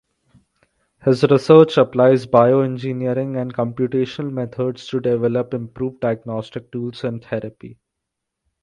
His research applies bioengineering and computational methods to develop improved diagnostic tools and therapy.